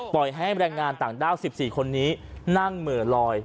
ปล่อยให้แรงงานต่างด้าว๑๔คนนี้นั่งเหม่อลอย